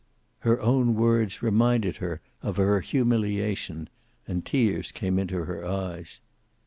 Her own words reminded her of her humiliation, and tears came into her eyes.